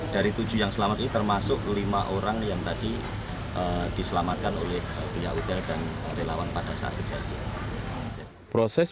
dari tujuh yang selamat ini termasuk lima orang yang tadi diselamatkan oleh pihak hotel dan relawan pada saat kejadian proses